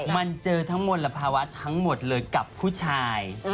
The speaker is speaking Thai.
มันเจอทั้งมลภาวะทั้งหมดเลยกับผู้ชาย